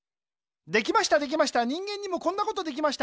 できましたできました人間にもこんなことできました。